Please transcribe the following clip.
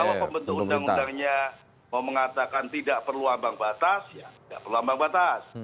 kalau pembentuk undang undangnya mau mengatakan tidak perlu ambang batas ya tidak perlu ambang batas